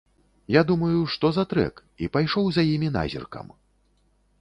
Я думаю, што за трэк, і пайшоў за імі назіркам.